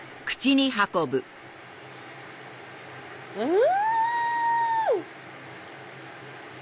うん！